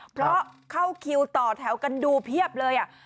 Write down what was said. เพราะเข้าคิวต่อแถวกันดูเพียบเลย